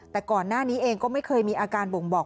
แต่ก่อนหน้านี้เองก็ไม่เคยมีอาการบ่งบอก